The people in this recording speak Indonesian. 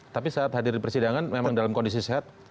tapi saat hadir di persidangan memang dalam kondisi sehat